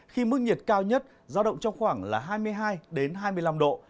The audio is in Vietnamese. khi mức nhiệt cao nhất giao động trong khoảng là hai mươi hai hai mươi năm độ